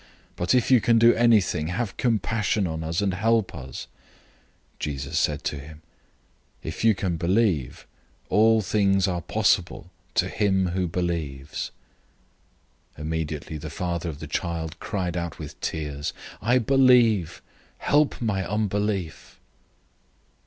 But if you can do anything, have compassion on us, and help us." 009:023 Jesus said to him, "If you can believe, all things are possible to him who believes." 009:024 Immediately the father of the child cried out with tears, "I believe. Help my unbelief!"